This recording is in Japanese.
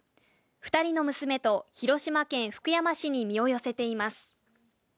２人の娘と広島県福山市に身を寄せています。